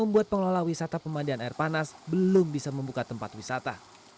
membuat pengelola wisata pemandian air panas belum bisa membuka tempat wisata